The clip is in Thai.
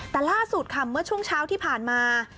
แต่ล่าสุดค่ะเมื่อช่วงเช้าที่ผ่านมา